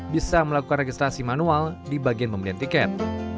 bisa melakukan registrasi manual di bagian pembelian tiket